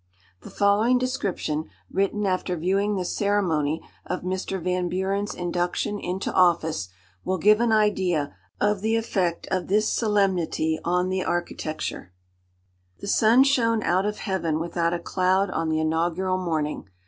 The following description, written after viewing the ceremony of Mr. Van Buren's induction into office, will give an idea of the effect of this solemnity on the architecture:— "The sun shone out of heaven without a cloud on the inaugural morning.